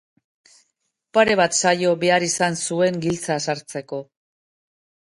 Pare bat saio behar izan zuen giltza sartzeko.